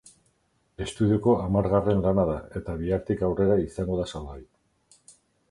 Estudioko hamargarren lana da, eta bihartik aurrera izango da salgai.